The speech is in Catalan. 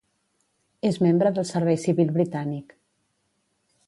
És membre del Servei Civil britànic.